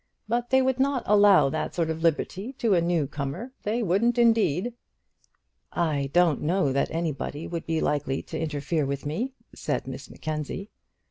But they would not allow that sort of liberty to a new comer; they wouldn't, indeed." "I don't know that anybody would be likely to interfere with me," said Miss Mackenzie.